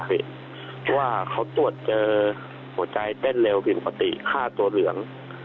เพราะว่าเขาตรวจเจอหัวใจเต้นเร็วผิดปกติฆ่าตัวเหลือง